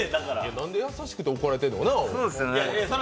なんで優しくて怒られてるのか。